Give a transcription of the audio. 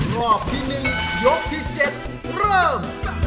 รอบที่๑ยกที่๗เริ่ม